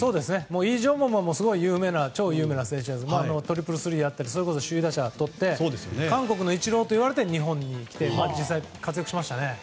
イ・ジョンボムは超有名な選手でトリプルスリーだったり首位打者をとって韓国のイチローといわれて日本に来て実際に活躍もしましたね。